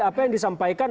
apa yang disampaikan